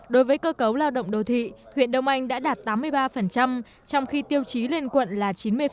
đối với cơ cấu lao động đô thị huyện đông anh đã đạt tám mươi ba trong khi tiêu chí lên quận là chín mươi